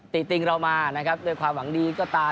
ติติงเรามานะครับด้วยความหวังดีก็ตาม